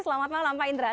selamat malam pak indra